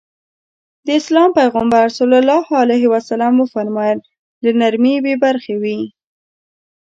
د اسلام پيغمبر ص وفرمايل له نرمي بې برخې وي.